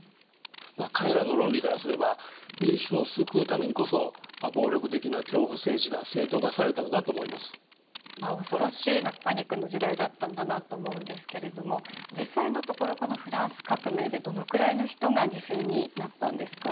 彼らの論理からすれば恐ろしいパニックの時代だったんだなと思うんですけれども実際のところこのフランス革命でどのくらいの人が犠牲になったんですか？